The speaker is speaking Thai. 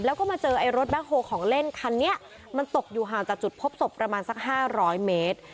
แล้วก็มาเจอไอ้รถแบ็คโฮลของเล่นคันนี้มันตกอยู่ห่างจากจุดพบศพประมาณสัก๕๐๐เมตร